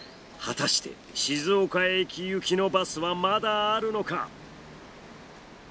果たして静岡駅行きのバスはまだあるのか？